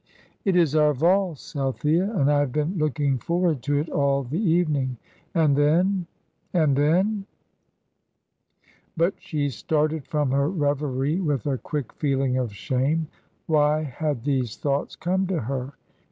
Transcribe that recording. "It is our valse, Althea, and I have been looking forward to it all the evening." And then and then But she started from her reverie with a quick feeling of shame. Why had these thoughts come to her?